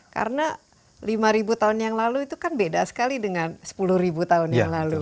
karena lima tahun yang lalu itu kan beda sekali dengan sepuluh tahun yang lalu